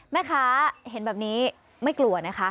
แม่ค้าเห็นแบบนี้ไม่กลัวนะคะ